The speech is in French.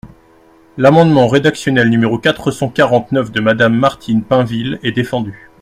L’amendement rédactionnel numéro quatre cent quarante-neuf de Madame Martine Pinville est défendu.